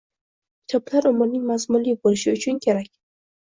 Kitoblar umrning mazmunli bo’lishi uchun kerak.